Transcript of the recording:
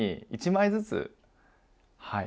１枚ずつ？